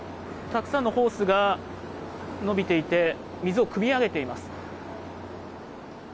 たくさんのホースが伸びていて、水をくみ上げています。